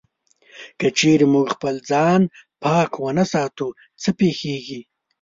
که چېرې موږ خپل ځان پاک و نه ساتو، څه پېښيږي؟